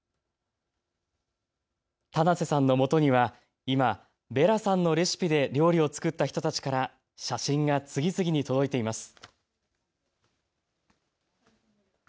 棚瀬さんのもとには今、ヴェラさんのレシピで料理を作った人たちから写真が次々に届いています。